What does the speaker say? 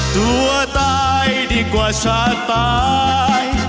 ตัวตายดีกว่าชาติตาย